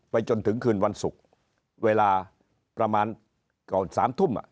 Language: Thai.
จนถึงคืนวันศุกร์เวลาประมาณก่อน๓ทุ่ม